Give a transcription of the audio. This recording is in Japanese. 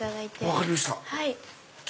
分かりました。